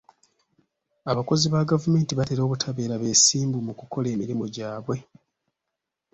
Abakozi ba gavumenti batera obutabeera beesimbu mu kukola emirimu gyabwe.